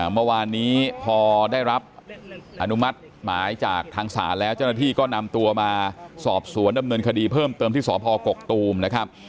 เมื่อวานนี้พอได้รับอนุมัติหมายจากทางศาลแล้วเจ้าหน้าที่ก็นำตัวมาสอบสวนดำเนินคดีเพิ่มเติมที่สพกกตูมนะครับ